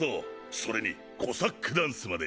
それにコサックダンスまで。